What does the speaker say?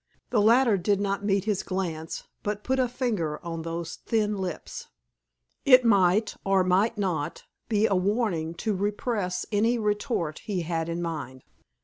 The latter did not meet his glance, but put a finger on those thin lips. It might, or might not, be a warning to repress any retort he had in mind.